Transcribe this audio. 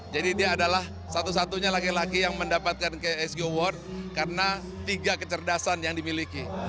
jadi dia adalah satu satunya laki laki yang mendapatkan isq award karena tiga kecerdasan yang dimiliki